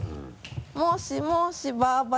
もしもしばば